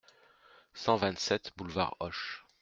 cent vingt-sept boulevard Hoche